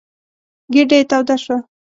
ګېډه يې توده شوه.